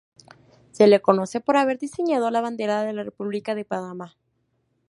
Se le conoce por haber diseñado la bandera de la República de Panamá.